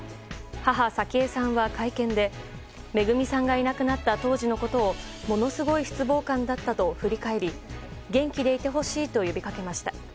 母・早紀江さんは会見でめぐみさんがいなくなった当時のことをものすごい失望感だったと振り返り元気でいてほしいと呼びかけました。